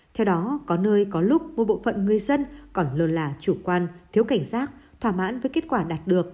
theo đó có nơi có lúc một bộ phận người dân còn lơ là chủ quan thiếu cảnh giác thỏa mãn với kết quả đạt được